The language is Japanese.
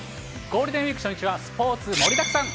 ゴールデンウィーク初日は、スポーツ盛りだくさん。